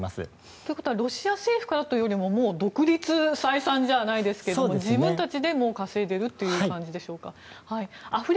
ということはロシア政府からというよりももう独立採算じゃないですが自分たちで稼いでいるという感じでしょうか。